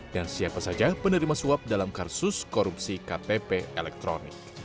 dan siapa saja penerima suap dalam kasus korupsi ktp elektronik